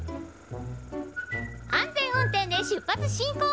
安全運転で出発進行！